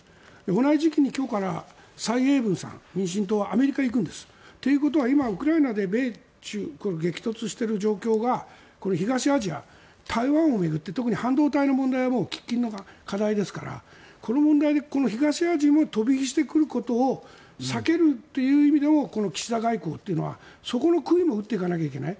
同じ時期で今日から、蔡英文さんアメリカに行くんです。ということは今、ウクライナで米中が激突している状況が東アジア、台湾を巡って特に半導体の問題は喫緊の課題ですからこの問題で東アジアにも飛び火してくることを避けるという意味でもこの岸田外交というのはそこの杭も打っていかないといけない。